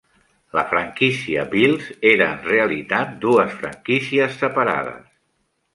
La franquícia Bills era en realitat dues franquícies separades.